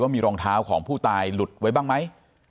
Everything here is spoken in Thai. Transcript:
มีรองเท้าของผู้ตายหลุดไว้บ้างไหม